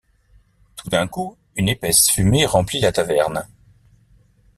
Tout d’un coup, une épaisse fumée remplit la taverne.